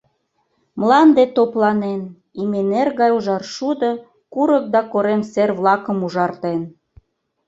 Мланде топланен, име нер гай ужар шудо курык да корем сер-влакым ужартен.